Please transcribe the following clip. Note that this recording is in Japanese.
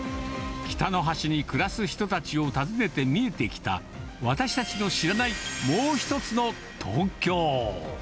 北の端に暮らす人たちを訪ねて見えてきた、私たちの知らないもう一つの東京。